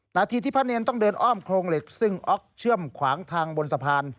นาทีที่พระเนรต้องเดินอ้อมโครงเหล็กซึ่งออกเชื่อมขวางทางบนสะพาน